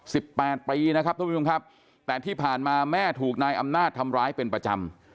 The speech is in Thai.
แปดปีนะครับทุกผู้ชมครับแต่ที่ผ่านมาแม่ถูกนายอำนาจทำร้ายเป็นประจำ